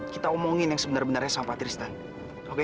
kita omongin yang sebenar benarnya sama patristan oke